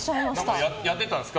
何かやってたんですか